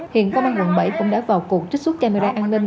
hiện công an quận bảy cũng đã vào cuộc trích xuất camera an ninh